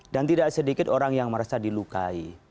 dan tidak sedikit orang yang merasa dilukai